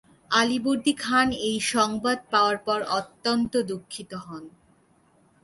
আলীবর্দী খান এই সংবাদ পাওয়ার পর অত্যন্ত দু:খিত হন।